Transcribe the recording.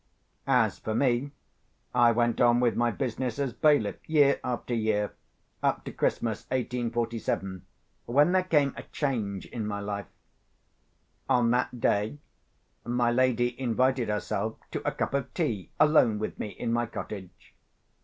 As for me, I went on with my business as bailiff year after year up to Christmas 1847, when there came a change in my life. On that day, my lady invited herself to a cup of tea alone with me in my cottage.